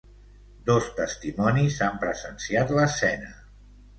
Dos testimonis han presenciat l'escena.